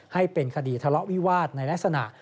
ให้เป็นคดีทะเลาะวิวาสในลักษณะ